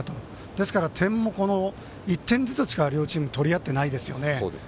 ですから点も１点ずつしか両チーム取り合ってないですよね。